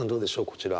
こちら。